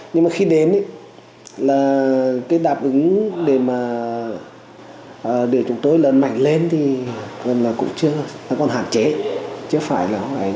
nhưng khi đến đạp ứng để chúng tôi lớn mạnh lên còn hạn chế chứ không phải là hoài